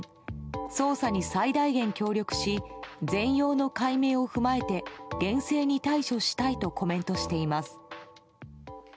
捜査に最大限協力し全容の解明を踏まえて厳正に対処したいとコメントしています。